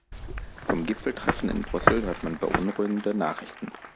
Vom Gipfeltreffen in Brüssel hört man beunruhigende Nachrichten.